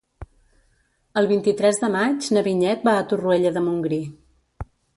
El vint-i-tres de maig na Vinyet va a Torroella de Montgrí.